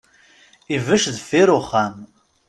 Ibec deffir uxxam.